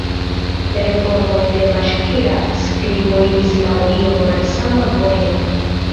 Reformoj de baŝkira skribo iris laŭ iom malsama vojo.